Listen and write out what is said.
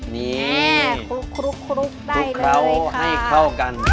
นี้คลุกได้เลยค่ะทุ่บเค้าให้เข้ากัน